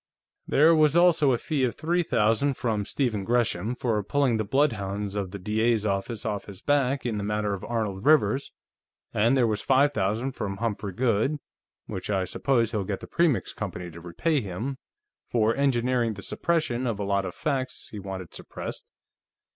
"There was also a fee of three thousand from Stephen Gresham, for pulling the bloodhounds of the D.A.'s office off his back in the matter of Arnold Rivers, and there was five thousand from Humphrey Goode, which I suppose he'll get the Premix Company to repay him, for engineering the suppression of a lot of facts he wanted suppressed.